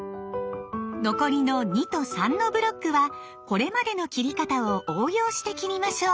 残りの２と３のブロックはこれまでの切り方を応用して切りましょう！